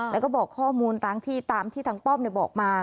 แล้วก็บอกข้อมูลตามที่ตามที่ทางป้อมบอกมา